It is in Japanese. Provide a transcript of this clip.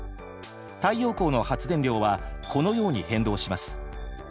太陽光の発電量はこのように変動します。